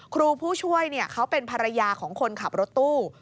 ครูผู้ช่วยเขาเป็นภรรยาของคนขับรถตู้